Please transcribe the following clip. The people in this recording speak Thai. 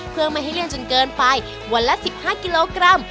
เพื่อไม่ให้เลี่ยนจนเกินไปวันละ๑๕กิโลกรัม